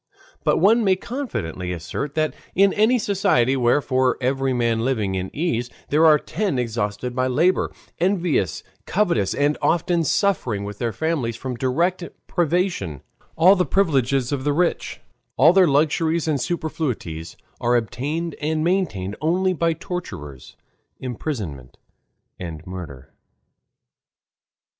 But one may confidently assert that in any society where, for every man living in ease, there are ten exhausted by labor, envious, covetous, and often suffering with their families from direct privation, all the privileges of the rich, all their luxuries and superfluities, are obtained and maintained only by tortures, imprisonment, and murder.